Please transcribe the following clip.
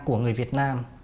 của người việt nam